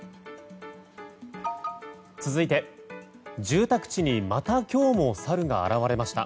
続いて住宅地にまた今日もサルが現れました。